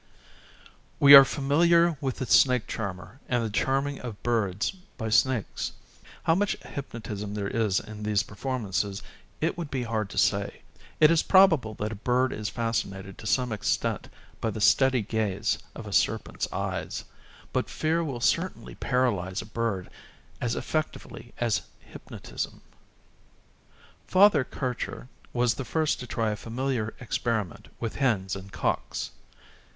We are all familiar with the snake charmer, and the charming of birds by snakes. How much hypnotism there is in these performances it would be hard to say. It is probable that a bird is fascinated to some extent by the steady gaze of a serpent's eyes, but fear will certainly paralyze a bird as effectively as hypnotism. Father Kircher was the first to try a familiar experiment with hens and cocks.